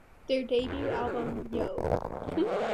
Their debut album, Yo!